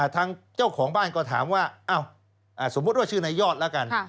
ทางเจ้าของบ้านก็ถามว่าสมมุติว่าชื่อนายยอดแล้วกัน